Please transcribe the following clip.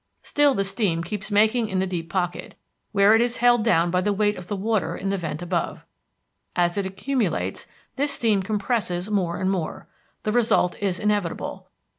Still the steam keeps making in the deep pocket, where it is held down by the weight of the water in the vent above. As it accumulates this steam compresses more and more. The result is inevitable.